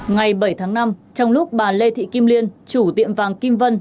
ngày bảy tháng năm trong lúc bà lê thị kim liên chủ tiệm vàng kim vân